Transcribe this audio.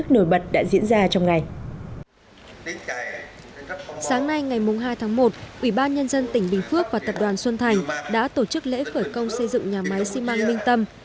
sáng nay ngày hai tháng một ủy ban nhân dân tỉnh bình phước và tập đoàn xuân thành đã tổ chức lễ khởi công xây dựng nhà máy xi măng minh tâm